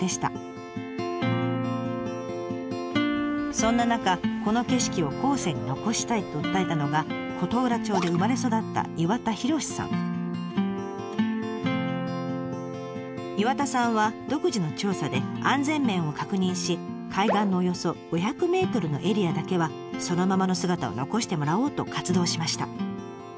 そんな中「この景色を後世に残したい」と訴えたのが琴浦町で生まれ育った岩田さんは独自の調査で安全面を確認し海岸のおよそ５００ｍのエリアだけはそのままの姿を残してもらおうと活動しました。